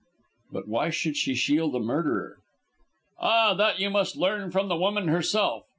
"But why should she shield a murderer?" "Ah, that you must learn from the woman herself.